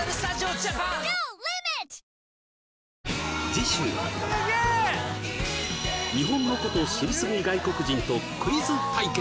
次週日本のこと知りスギ外国人とクイズ対決！